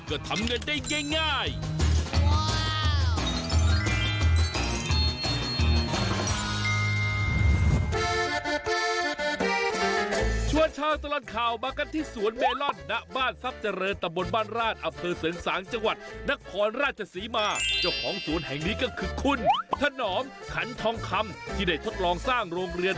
ก็ทำเงินได้ง่าย